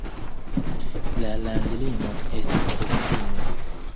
La landlimo estas proksime.